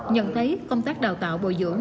nhận thấy công tác đào tạo bồi dưỡng